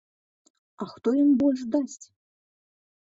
А хто ім больш дасць?